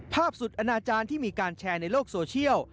สุดอนาจารย์ที่มีการแชร์ในโลกโซเชียล